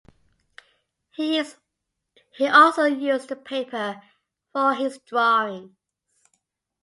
He also used the paper for his drawings.